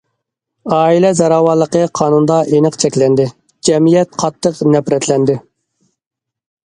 ئائىلە زوراۋانلىقى قانۇندا ئېنىق چەكلەندى، جەمئىيەت قاتتىق نەپرەتلەندى.